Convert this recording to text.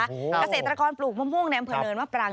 เกษตรกรปลูกมะม่วงในอำเภอเนินมะปราง